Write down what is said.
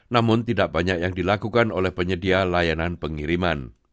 namun tidak banyak yang dilakukan oleh penyedia layanan pengiriman